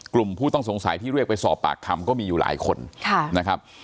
ผู้ต้องสงสัยที่เรียกไปสอบปากคำก็มีอยู่หลายคนนะครับ